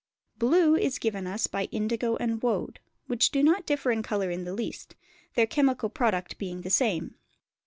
Blue is given us by indigo and woad, which do not differ in colour in the least, their chemical product being the same.